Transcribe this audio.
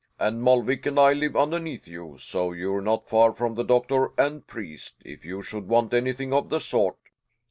And Molvik and I live underneath you, so you're not far from the doctor and priest, if you should want anything of the sort.